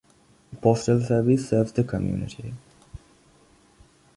Postal Service serves the community.